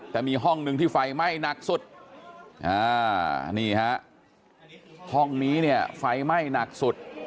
แต่มีห้องหนึ่งที่ไฟไหม้หนักสุดนี่ฮะห้องนี้เนี่ยไฟไหม้หนักสุด